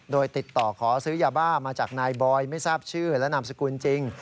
โดยติดต่อขอซื้อยาบ้ามาจากนายบอยไม่ทราบชื่อและนามสกุลจริง